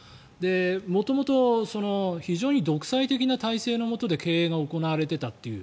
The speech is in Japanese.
元々、非常に独裁的な体制のもとで経営が行われていたという。